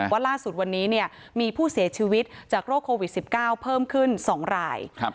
ว่าล่าสุดวันนี้มีผู้เสียชีวิตจากโรคโควิด๑๙เพิ่มขึ้น๒ราย